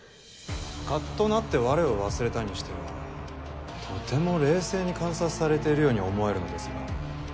カッとなって我を忘れたにしてはとても冷静に観察されているように思えるのですが。